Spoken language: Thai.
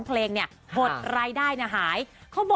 ก็รอติดตามกันนะครับ